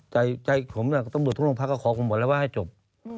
ใจผมต้องหลุดทุกพักก็ขอผมหมดแล้วว่าให้จบ